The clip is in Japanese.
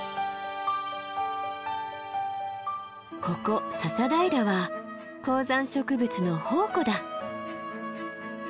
ここ笹平は高山植物の宝庫だ。